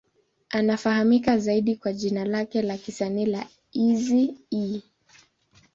Anafahamika zaidi kwa jina lake la kisanii kama Eazy-E.